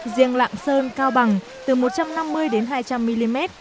riêng lạng sơn cao bằng từ một trăm năm mươi đến hai trăm linh mm